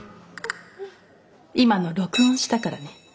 今の録音したからね。